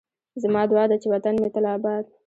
زما دعا ده چې وطن مې تل اباد